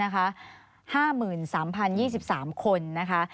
๕๓๐๒๓คนนะคะ